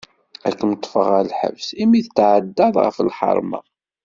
Ad kem-ṭfeɣ ɣer lḥebs imi tetɛeddaḍ ɣef lḥarma.